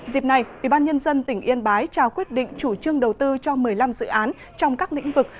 dịp này ủy ban nhân dân tỉnh yên bái trao quyết định chủ trương đầu tư cho một mươi năm dự án trong các lĩnh vực